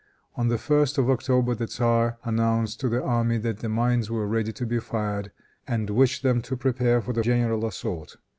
On the 1st of October the tzar announced to the army that the mines were ready to be fired, and wished them to prepare for the general assault.